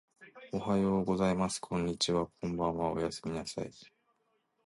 おはようございます。こんにちは。こんばんは。おやすみなさい。